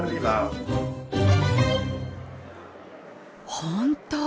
本当！